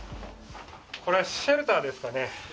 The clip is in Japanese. これはシェルターですかね。